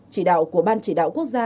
chỉ đạo của ban chỉ đạo quốc gia